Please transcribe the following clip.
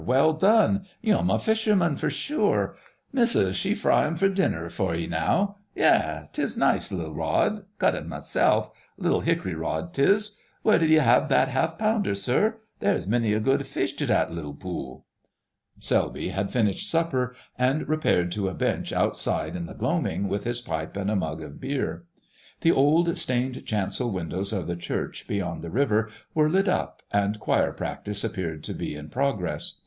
Well done! Yu'm a fisherman, for sure! Missus, she fry 'un for supper for 'ee now.... Yes, 'tis nice li'l rod—cut un meself: li'l hickory rod, 'tis.... Where did 'ee have that half pounder, sir? There's many a good fish tu that li'l pool...." Selby had finished supper and repaired to a bench outside in the gloaming with his pipe and a mug of beer. The old stained chancel windows of the church beyond the river were lit up and choir practice appeared to be in progress.